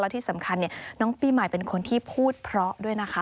ที่สำคัญน้องปีใหม่เป็นคนที่พูดเพราะด้วยนะคะ